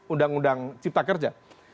undang undang cipta kerja